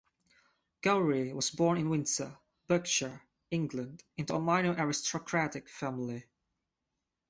Gowrie was born in Windsor, Berkshire, England, into a minor aristocratic family.